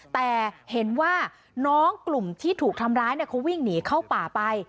แต่เห็นว่าน้องกลุ่มที่ถูกทำร้ายเขาวิ่งหนีเข้าป่าไป